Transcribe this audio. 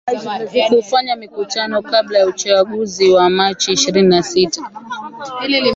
kufanya mikutano kabla ya uchaguzi wa machi ishirini na sita